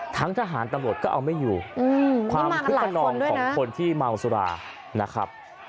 ทั้งทหารตำรวจก็เอาไม่อยู่ความคึกขนองของคนที่เมาสุรานะครับ